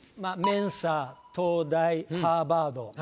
東大ハーバード。